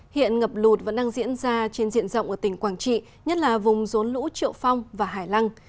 hiện ngập lụt vẫn đang diễn ra trên diện rộng ở tỉnh quảng trị nhất là vùng rốn lũ triệu phong và hải lăng